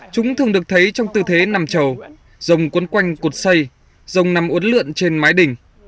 chúng thường được thấy trong tư thế nằm trầu rồng cuốn quanh cột xây dòng nằm uốn lượn trên mái đình